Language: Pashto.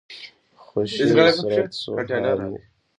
خوشي د سرت سو هان دی.